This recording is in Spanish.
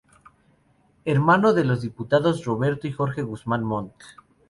Hermano de los diputados Roberto y Jorge Guzmán Montt.